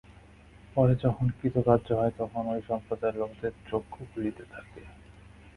পরে যখন অকৃতকার্য হয়, তখন ঐ সম্প্রদায়ের লোকদের চক্ষু খুলিতে থাকে।